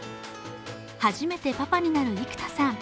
初めてパパになる生田さん。